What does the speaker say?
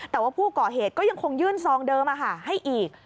แต่ว่าผู้ก่อเหตุก็ยังคงยื่นซองเดิมให้อีก